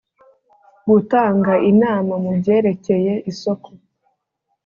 Gutanga inama mu byerekeye isoko